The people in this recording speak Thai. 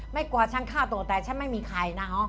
ไม่กลัวฉันฆ่าตัวแต่ฉันไม่มีใครนะ